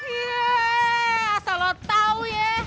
iya asal lo tau ya